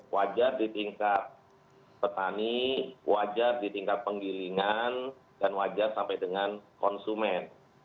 wajar di tingkat petani wajar di tingkat penggilingan dan wajar sampai dengan konsumen